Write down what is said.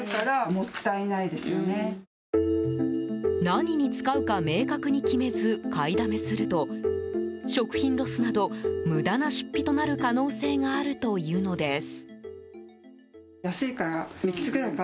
何に使うか明確に決めず買いだめすると食品ロスなど、無駄な出費となる可能性があるというのです。